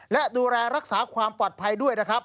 และดูแลรักษาความปลอดภัยด้วยนะครับ